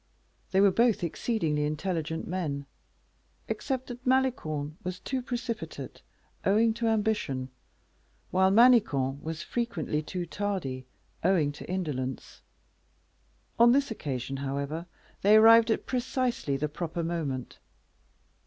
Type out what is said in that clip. They were both exceedingly intelligent men; except that Malicorne was too precipitate, owing to ambition, while Manicamp was frequently too tardy, owing to indolence. On this occasion, however, they arrived at precisely the proper moment.